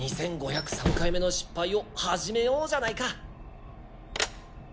２，５０３回目の失敗を始めようじゃないか。